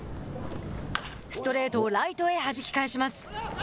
ストレートをライトへはじき返します。